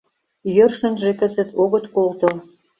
Йӧршынжӧ кызыт огыт колто.